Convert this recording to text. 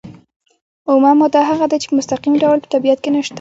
اومه ماده هغه ده چې په مستقیم ډول په طبیعت کې نشته.